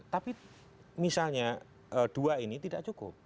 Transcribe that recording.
tapi misalnya dua ini tidak cukup